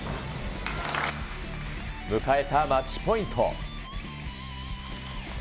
迎えたマッチポイント。